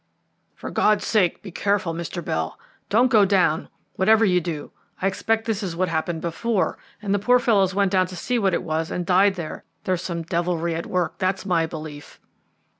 "For God's sake, be careful, Mr. Bell. Don't go down, whatever you do. I expect this is what happened before, and the poor fellows went down to see what it was and died there. There's some devilry at work, that's my belief."